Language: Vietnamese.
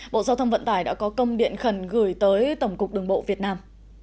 bộ giao thông vận tải đã có công điện khẩn gửi tới tổng cục đường bộ việt nam